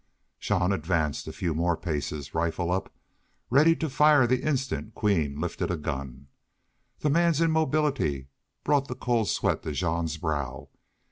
Jean advanced a few more paces, rifle up, ready to fire the instant Queen lifted a gun. The man's immobility brought the cold sweat to Jean's brow.